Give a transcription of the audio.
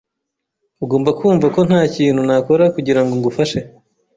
Ugomba kumva ko ntakintu nakora kugirango ngufashe.